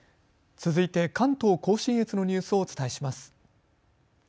続いて関東甲信越のニュースをお伝えします。